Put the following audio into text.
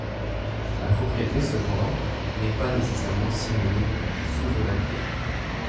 La propriété, cependant, n'est pas nécessairement synonyme de souveraineté.